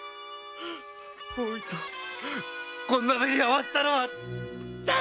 お糸をこんな目に遭わせたのは誰なんだっ！